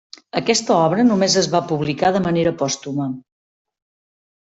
Aquesta obra només es va publicar de manera pòstuma.